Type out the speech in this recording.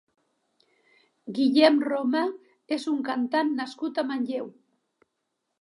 Guillem Roma és un cantant nascut a Manlleu.